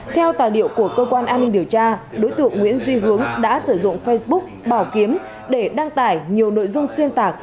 theo tài liệu của cơ quan an ninh điều tra đối tượng nguyễn duy hướng đã sử dụng facebook bảo kiếm để đăng tải nhiều nội dung xuyên tạc